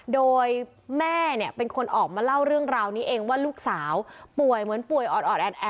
โดยแม่เนี่ยเป็นคนออกมาเล่าเรื่องราวนี้เองว่าลูกสาวป่วยเหมือนป่วยออดแอน